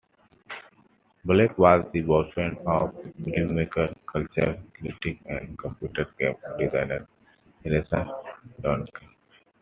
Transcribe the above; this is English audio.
Blake was the boyfriend of filmmaker, cultural critic and computer game designer Theresa Duncan.